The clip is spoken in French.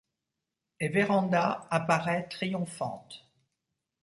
Et Vérand'a apparaît, triomphante.